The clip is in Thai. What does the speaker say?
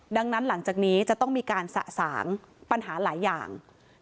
ดังนั้นหลังจากนี้จะต้องมีการสะสางปัญหาหลายอย่าง